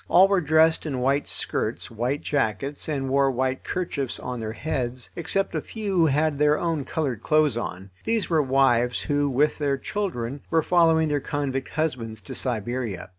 All were dressed in white skirts, white jackets, and wore white kerchiefs on their heads, except a few who had their own coloured clothes on. These were wives who, with their children, were following their convict husbands to Siberia.